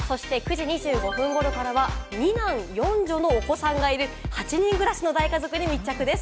９時２５分ごろからは２男４女のお子さんがいる８人暮らしの大家族に密着です。